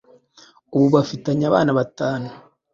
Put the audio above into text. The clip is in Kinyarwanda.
ubu bafitanye abana batanu.